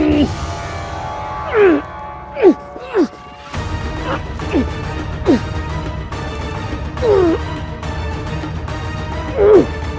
aku mendapatkan sirikading ini